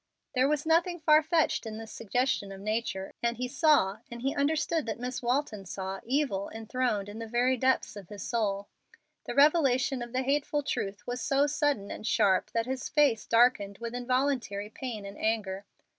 There was nothing far fetched in this suggestion of nature, and he saw and he understood that Miss Walton saw evil enthroned in the very depths of his soul. The revelation of the hateful truth was so sudden and sharp that his face darkened with involuntary pain and anger.